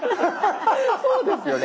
そうですよね！